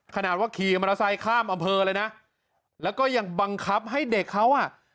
ขนาดว่าขี่มอเตอร์ไซค์ข้ามอำเภอเลยนะแล้วก็ยังบังคับให้เด็กเขาอ่ะ